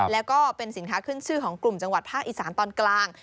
แล้วก็เป็นสินค้าขึ้นชื่อของกลุ่มจังหวัดภาคอีสานตอนกลาง